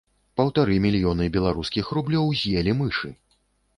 Паўтары мільёны беларускіх рублёў з'елі мышы.